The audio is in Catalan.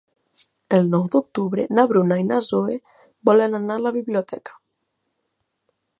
El nou d'octubre na Bruna i na Zoè volen anar a la biblioteca.